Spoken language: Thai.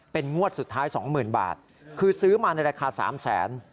เป็นงวดสุดท้าย๒๐๐๐บาทคือซื้อมาในราคา๓แสน